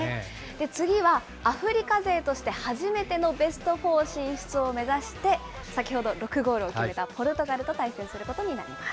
次はアフリカ勢として初めてのベストフォー進出を目指して、先ほど６ゴールを決めたポルトガルと対戦することになります。